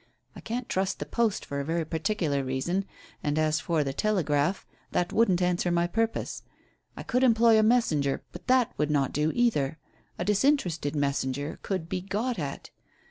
I can't trust the post for a very particular reason, and as for the telegraph, that wouldn't answer my purpose. I could employ a messenger, but that would not do either a disinterested messenger could be got at.